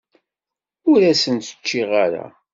Ur asen-t-ččiɣ ara.